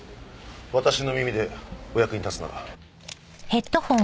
私の耳でお役に立つなら。